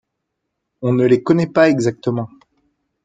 On ne les connaît pas exactement.